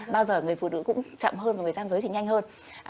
bao giờ người phụ nữ cũng chậm hơn và người tham giới thì nhanh hơn